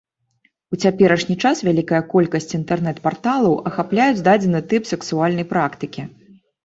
У цяперашні час вялікая колькасць інтэрнэт-парталаў ахапляюць дадзены тып сэксуальнай практыкі.